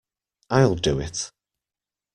I'll do it.